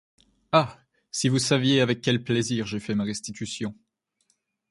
Ah ! si vous saviez avec quel plaisir j’ai fait ma restitution !